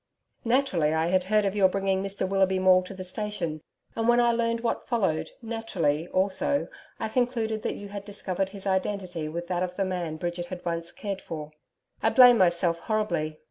Naturally, I had heard of your bringing Mr Willoughby Maule to the station, and when I learned what followed, naturally also, I concluded that you had discovered his identity with that of the man Bridget had once cared for. I blame myself horribly.